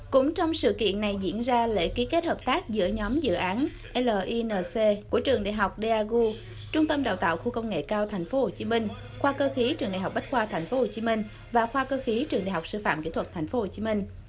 cũng trong sự kiện này diễn ra lễ ký kết hợp tác giữa nhóm dự án linc của trường đại học daegu trung tâm đào tạo khu công nghệ cao thành phố hồ chí minh khoa cơ khí trường đại học bách khoa thành phố hồ chí minh và khoa cơ khí trường đại học sư phạm kỹ thuật thành phố hồ chí minh